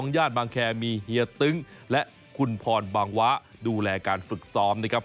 ญาติบางแคร์มีเฮียตึ้งและคุณพรบางวะดูแลการฝึกซ้อมนะครับ